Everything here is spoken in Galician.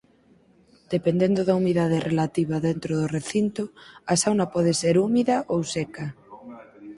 Dependendo da humidade relativa dentro do recinto a sauna pode ser húmida ou seca.